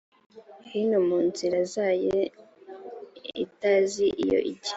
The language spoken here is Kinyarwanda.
hino mu nzira zayo itazi iyo ijya